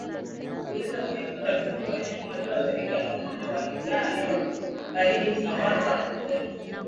Kuleta kwenye kundi la mifugo wanyama waliothirika na ugonjwa wa ndigana baridi husamabaza ugonjwa